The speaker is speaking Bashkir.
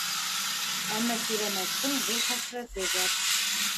Әммә Кирәмәттең ҙур хәсрәте бар.